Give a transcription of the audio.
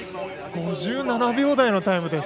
５７秒台のタイムです。